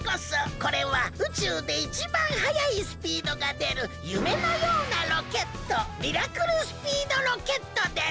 これは宇宙でいちばんはやいスピードがでるゆめのようなロケットミラクルスピードロケットです！